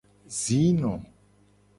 Zino.